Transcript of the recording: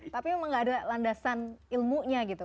tapi memang gak ada landasan ilmunya gitu